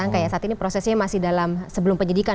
angka ya saat ini prosesnya masih dalam sebelum penyidikan